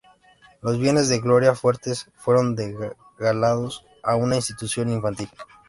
Los bienes de Gloria Fuertes fueron legados a una institución infantil.